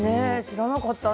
知らなかった。